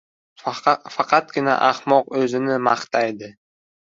• Faqatgina ahmoq o‘zini maqtaydi.